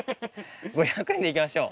５００円で行きましょう。